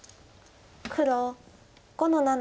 黒５の七。